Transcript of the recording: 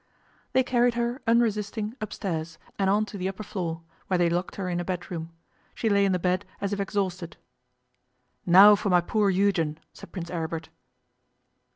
They carried her, unresisting, upstairs and on to the upper floor, where they locked her in a bedroom. She lay in the bed as if exhausted. 'Now for my poor Eugen,' said Prince Aribert.